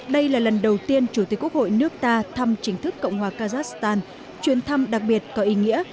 đây là lần đầu tiên chủ tịch quốc hội nước ta thăm chính thức cộng hòa kazakhstan chuyến thăm đặc biệt có ý nghĩa